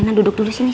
rena duduk dulu sini